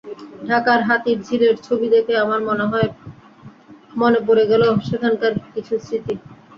ঢাকার হাতির ঝিলের ছবি দেখে আমার মনে পড়ে গেল সেখানকার কিছু স্মৃতি।